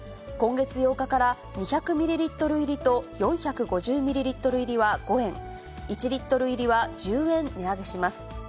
今月８日から２００ミリリットル入りと４５０ミリリットル入りは５円、１リットル入りは１０円値上げします。